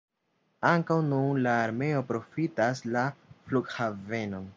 Ankaŭ nun la armeo profitas la flughavenon.